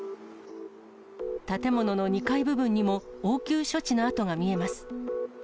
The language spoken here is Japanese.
建物の２階部分にも応急処置の跡が見えます。